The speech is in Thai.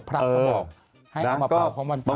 พระเขาบอกให้เอามาเผาพร้อมวันเผา